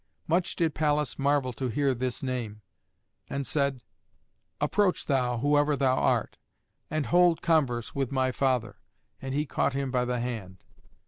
Much did Pallas marvel to hear this name, and said, "Approach thou, whoever thou art, and hold converse with my father;" and he caught him by the hand.